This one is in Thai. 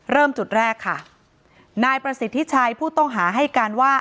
เริ่มจุดแรกค่ะนายประสิทธิชัยผู้ต้องหาให้การว่า